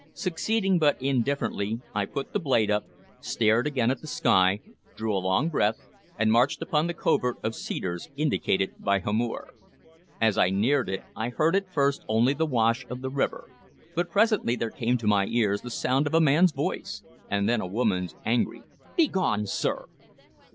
Succeeding but indifferently, I put the blade up, stared again at the sky, drew a long breath, and marched upon the covert of cedars indicated by Hamor. As I neared it, I heard at first only the wash of the river; but presently there came to my ears the sound of a man's voice, and then a woman's angry "Begone, sir!"